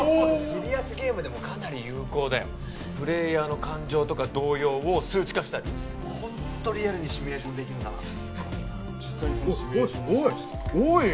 シリアスゲームでもかなり有効だよプレイヤーの感情とか動揺を数値化したりホントリアルにシミュレーションできるなおっおいおいおい！